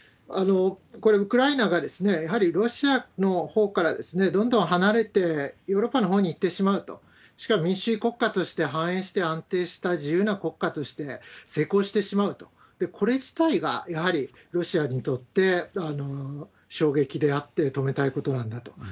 これ、ウクライナが、やはりロシアのほうからどんどん離れてヨーロッパのほうにいってしまうと、しかも民主主義国家として反映して安定した自由な国家として成功してしまうと、これ自体がやはりロシアにとって衝撃であって、止めたいことなんだと。